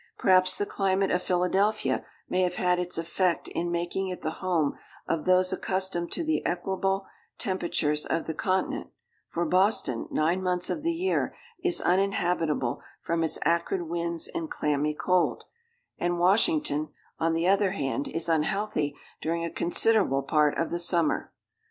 Perhaps the climate of Philadelphia may have had its effect in making it the home of those accustomed to the equable temperatures of the continent; for Boston, nine months of the year, is uninhabitable from its acrid winds and clammy cold; and Washington, on the other hand, is unhealthy during a considerable part of the summer.